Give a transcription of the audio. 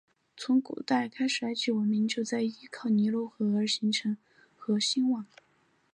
从古代开始埃及的文明就依靠尼罗河而形成和兴旺。